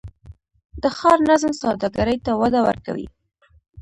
د ښار نظم سوداګرۍ ته وده ورکوي؟